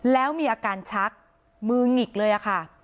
แล้วมีอาการชักมือหงิกเลยค่ะ